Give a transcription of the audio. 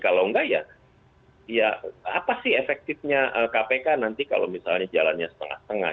kalau enggak ya apa sih efektifnya kpk nanti kalau misalnya jalannya setengah setengah